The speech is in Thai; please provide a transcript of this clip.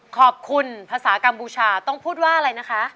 ขอบคุณภาษากัมพูชาต้องพูดว่าอะไรนะคะ